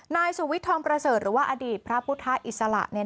นายสวิทธิ์ธรรมประเสริฐหรือว่าอดีตพระพุทธศาสตร์อิสระ